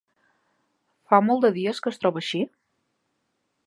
Fa molt de dies que es troba així?